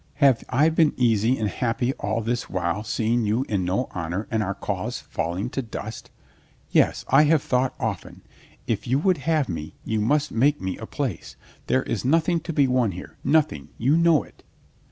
"Have I been easy and happy all this while seeing you in no honor and our cause falling to dust? Yes, I have thought often. If you would have me, you must make me a place. There is nothing to be won here, nothing, you know it."